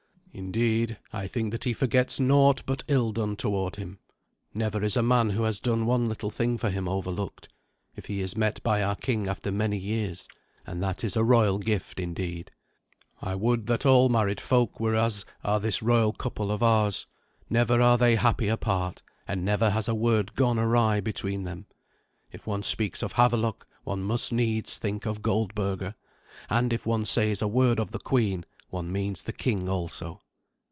Indeed, I think that he forgets naught but ill done toward him. Never is a man who has done one little thing for him overlooked, if he is met by our king after many years, and that is a royal gift indeed. I would that all married folk were as are this royal couple of ours. Never are they happy apart, and never has a word gone awry between them. If one speaks of Havelok, one must needs think of Goldberga; and if one says a word of the queen, one means the king also.